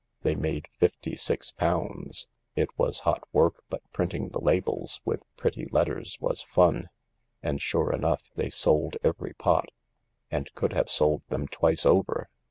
They made fifty six pounds. It was hot work, but printing the labels with pretty letters was fun. And, sure enough, they sold every pot. And could have sold them twice over.